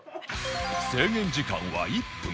制限時間は１分